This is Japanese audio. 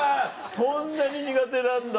そんなに苦手なんだ。